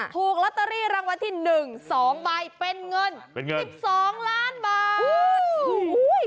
ถูกลอตเตอรี่รางวัลที่๑๒ใบเป็นเงิน๑๒ล้านบาท